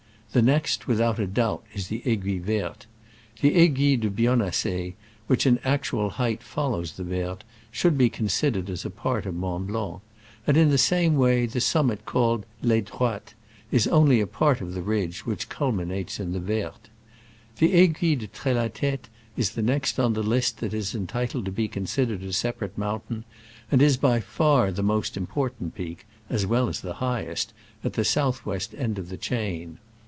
The next, with out a doubt, is the Aiguille Verte. The Aiguille de Bionnassay, which in actual height follows the Verte, should be con sidered as a part of Mont Blanc ; and in th^ same way the summit called Les Droites is only a part of the ridge which culminates in the Verte. The Aiguille de Trelatete is the next on the list that is entitled to be considered a separate mountain, and is by far the most im portant peak (as well as the highest) at the south west end of the chain.